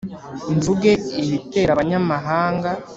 mvuge ibitera abanyamahanga